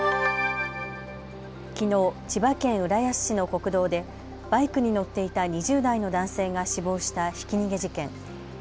きのう千葉県浦安市の国道でバイクに乗っていた２０代の男性が死亡したひき逃げ事件。